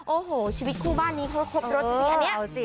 โอ้โหชีวิตคู่บ้านนี้เขาครบรถเอาสิ